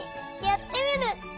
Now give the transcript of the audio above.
やってみる！